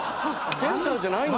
センターじゃないんだ。